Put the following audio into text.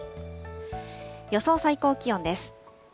予想最高気温です。